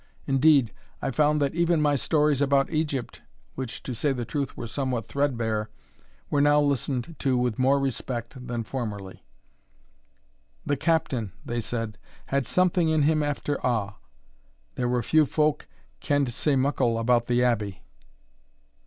Indeed, I found that even my stories about Egypt, which, to say truth, were somewhat threadbare, were now listened to with more respect than formerly. "The Captain," they said, "had something in him after a', there were few folk kend sae muckle about the Abbey."